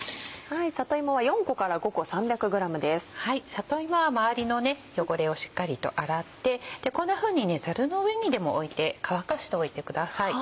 里芋は周りの汚れをしっかりと洗ってこんなふうにザルの上にでも置いて乾かしておいてください。